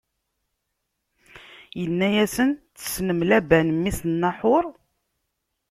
Inna-yasen: Tessnem Laban, mmi-s n Naḥuṛ?